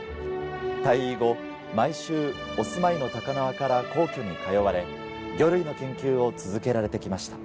退位後毎週お住まいの高輪から皇居に通われ魚類の研究を続けられて来ました。